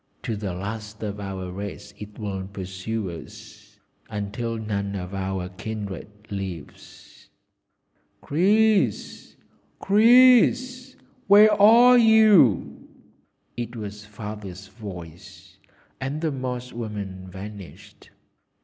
To the last of our race it will pursue us, until none of our kindred lives." "Chris! Chris! where are you?" It was Father's voice, and the Moss woman vanished.